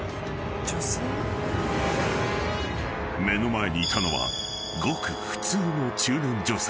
［目の前にいたのはごく普通の］